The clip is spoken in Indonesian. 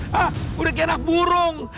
hah udah kena burung